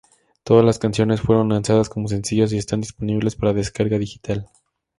Todas las canciones fueron lanzadas como sencillos y están disponibles para descarga digital.